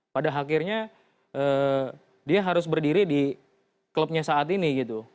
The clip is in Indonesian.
pada akhirnya dia harus berdiri di klubnya saat ini gitu